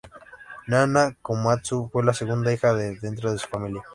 Nana Komatsu fue la segunda hija dentro de su familia.